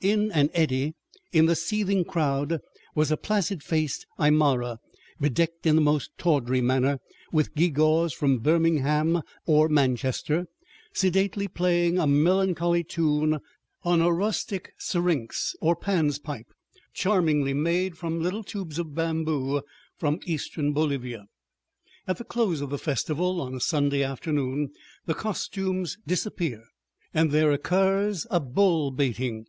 In an eddy in the seething crowd was a placid faced Aymara, bedecked in the most tawdry manner with gewgaws from Birmingham or Manchester, sedately playing a melancholy tune on a rustic syrinx or Pan's pipe, charmingly made from little tubes of bamboo from eastern Bolivia. At the close of the festival, on a Sunday afternoon, the costumes disappear and there occurs a bull baiting.